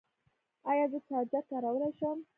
ایا زه چارجر کارولی شم؟